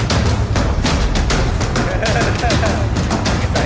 โอ้โฮโอ้โฮโอ้โฮโอ้โฮ